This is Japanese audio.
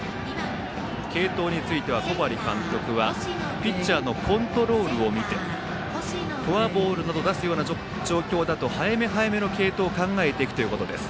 継投については小針監督はピッチャーのコントロールを見てフォアボールを出すような状況だと早め早めの継投を考えていくということです。